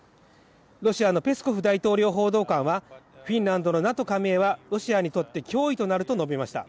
ロシアのペスコフ大統領報道官はフィンランドのＮＡＴＯ加盟はロシアにとって脅威となると述べました。